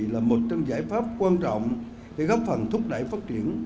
là một trong giải pháp quan trọng để góp phần thúc đẩy phát triển